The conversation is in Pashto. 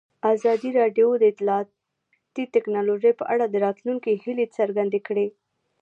ازادي راډیو د اطلاعاتی تکنالوژي په اړه د راتلونکي هیلې څرګندې کړې.